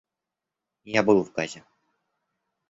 Я был в Газе.